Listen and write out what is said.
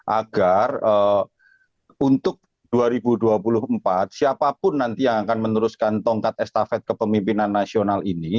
agar untuk dua ribu dua puluh empat siapapun nanti yang akan meneruskan tongkat estafet kepemimpinan nasional ini